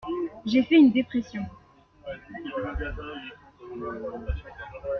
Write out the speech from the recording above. J'ai fait une dépression.